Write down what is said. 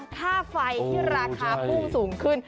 ค่าไฟที่ราคาพุ่งสูงขึ้น